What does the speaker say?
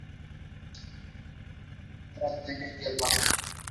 The truck driver was determined to be at fault.